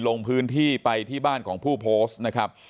ลงพื้นที่ไปที่บ้านของผู้โพสต์นะครับ